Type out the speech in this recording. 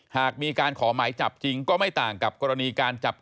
หากมีการขอหมายจับจริงก็ไม่ต่างกับกรณีการจับกลุ่ม